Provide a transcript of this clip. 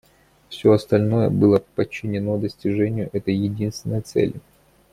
Все остальное было подчинено достижению этой единственной цели.